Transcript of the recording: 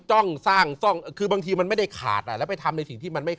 จ้องสร้างจ้องคือบางทีมันไม่ได้ขาดอ่ะแล้วไปทำในสิ่งที่มันไม่